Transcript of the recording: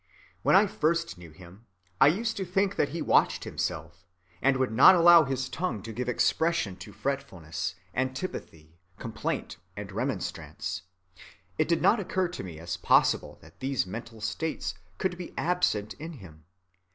When I first knew [him], I used to think that he watched himself, and would not allow his tongue to give expression to fretfulness, antipathy, complaint, and remonstrance. It did not occur to me as possible that these mental states could be absent in him.